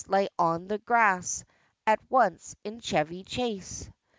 lay on the grass, As once in Chevy Chase!